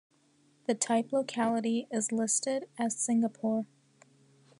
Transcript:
The type locality is listed as "Singapore".